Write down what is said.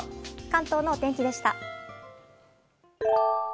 関東のお天気でした。